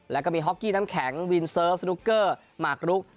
แล้วก็มีฮอกกี้น้ำแข็งวินเซิร์ฟสนุกเกอร์หมากรุก